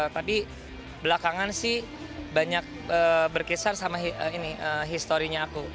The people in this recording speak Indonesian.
tapi belakangan sih banyak berkisar sama historinya aku